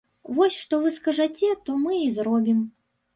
Вось, што вы скажаце, тое мы і зробім.